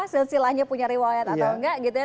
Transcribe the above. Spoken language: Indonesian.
sesilahnya punya riwayat atau enggak gitu ya